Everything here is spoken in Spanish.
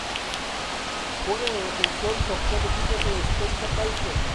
Juega de defensor y su actual equipo es el Spezia Calcio.